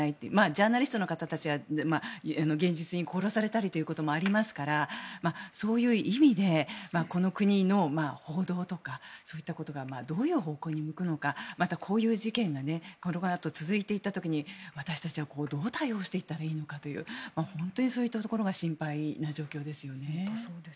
ジャーナリストの方たちが現実に殺されたりということがありますからそういう意味でこの国の報道とかそういったことがどういう方向に向くのかまた、こういう事件がこのあと続いていった時に私たちはどう対応していったらいいのかという本当にそういったところが心配な状況ですよね。